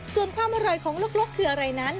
ส่วนความอร่อยของลกคืออะไรนั้น